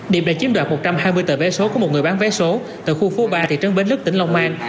điểm đã chiếm đoạt một trăm hai mươi tờ vé số của một người bán vé số tại khu phố ba thị trấn bến lức tỉnh long an